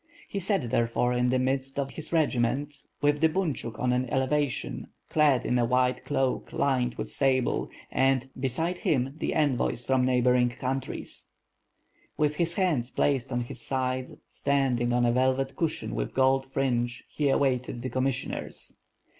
He sat there fore in the midst of his regiments, with the bunchuk on an elevation, clad in a white cloak lined with sable, and, beside him, the envoys from neighboring countries. With his hands placed on his sides, standing on a velvet cushion with gold fringe he awaited the commissioners.